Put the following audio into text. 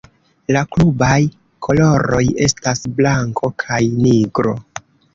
La klubaj koloroj estas blanko kaj nigro.